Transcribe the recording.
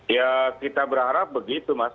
ya kita berharap begitu mas